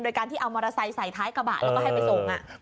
โดยการที่เอามอเตอร์ไซค์ใส่ท้ายกระบะแล้วก็ให้ไปส่ง